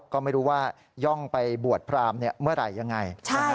ก็ไม่รู้ว่าย่องไปบวชพรามเมื่อไหร่ยังไง